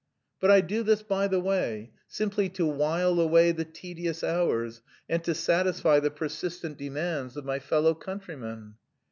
"But I do this by the way, simply to while away the tedious hours and to satisfy the persistent demands of my fellow countrymen."